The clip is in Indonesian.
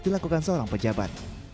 dilakukan seorang pejabat